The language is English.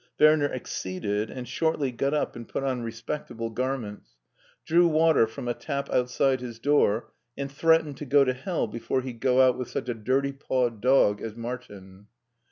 Werner acceded, and shortly got up and put on respectable garments, M MARTIN SCHULER drew water from a tap outside his door, and threatened to go to hell before he'd go out with such a dirty pawed dog as Martin.